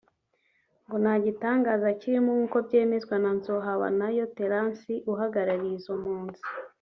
ngo nta gitangaza kirimo nk’uko byemezwa na Nzohabanayo Terrance uhagarariye izo mpunzi